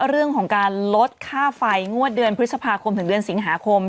เรื่องของการลดค่าไฟงวดเดือนพฤษภาคมถึงเดือนสิงหาคม